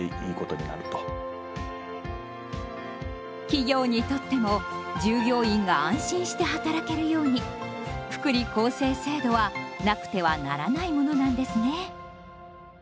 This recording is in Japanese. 企業にとっても従業員が安心して働けるように福利厚生制度はなくてはならないものなんですね。